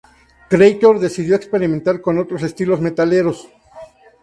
Kreator decidió experimentar con otros estilos metaleros.